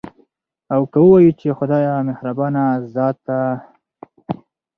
او که ووايو، چې خدايه مهربانه ذاته ده